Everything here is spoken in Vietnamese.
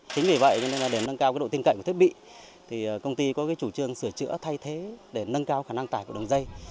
chính vì vậy để nâng cao độ tin cậy của thiết bị thì công ty có chủ trương sửa chữa thay thế để nâng cao khả năng tải của đường dây